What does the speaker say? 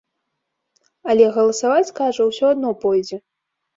Але галасаваць, кажа, усё адно пойдзе.